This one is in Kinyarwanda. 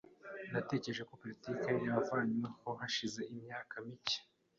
Natekereje ko politiki yavanyweho hashize imyaka mike.